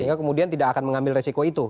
sehingga kemudian tidak akan mengambil resiko itu